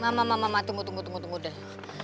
mama mama mama tunggu tunggu tunggu udah